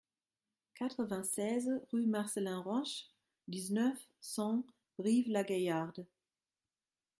quatre-vingt-seize rue Marcelin Roche, dix-neuf, cent, Brive-la-Gaillarde